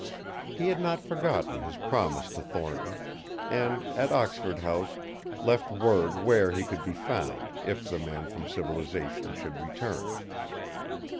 He had not forgotten his promise to Thornton, and at Oxford House left word where he could be found if the man from civilization should return.